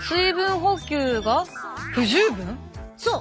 そう！